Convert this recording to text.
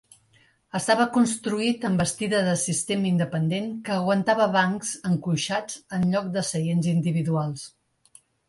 Estava construït amb bastida de sistema independent que aguantava bancs enconxats en lloc de seients individuals.